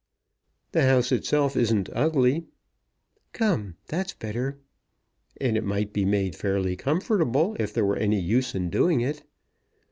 "The house itself isn't ugly." "Come; that's better." "And it might be made fairly comfortable, if there were any use in doing it."